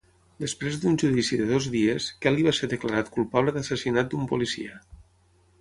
Després d'un judici de dos dies, Kelly va ser declarat culpable d'assassinat d'un policia.